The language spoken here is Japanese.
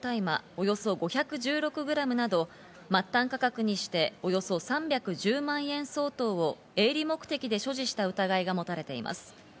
およそ５１６グラムなど、末端価格にして、およそ３１０万円相当を営利目的で所持した疑いが持たれています。